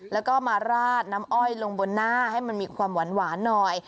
แล้วก็มาราดน้ำอ้อยลงบนหน้าให้มันมีความหวานหน่อย